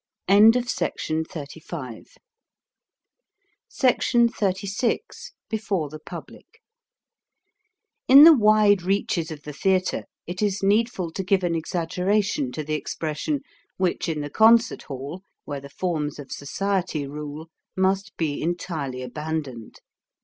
SECTION XXXVI BEFORE THE PUBLIC IN the wide reaches of the theatre it is needful to give an exaggeration to the expression, which in the concert hall, where the forms of society rule, must be entirely abandoned.